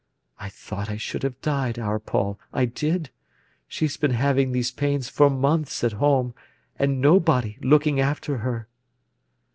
I thought I should have died, our Paul, I did. She's been having these pains for months at home, and nobody looking after her."